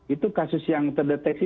itu kasus yang terdeteksi